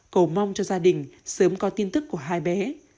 cầu mong cho gia đình sớm có tin tức của hai bé